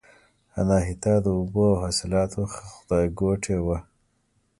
اناهیتا د اوبو او حاصلاتو خدایګوټې وه